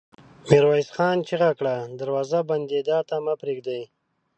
ميرويس خان چيغه کړه! دروازه بندېدا ته مه پرېږدئ!